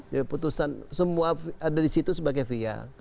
ya putusan semua ada di situ sebagai via